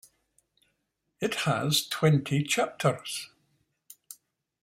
It has twenty chapters.